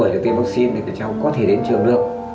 và nếu mà năm tuổi tiêm vaccine thì cháu có thể đến trường được